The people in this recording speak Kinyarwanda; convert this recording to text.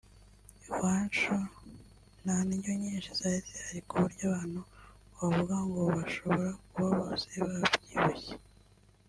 Iwacu nta ndyo nyinshi zari zihari ku buryo abantu wavuga ngo bashobora kuba bose babyibushye